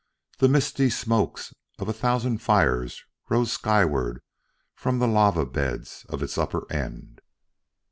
The misty smokes of a thousand fires rose skyward from the lava beds of its upper end.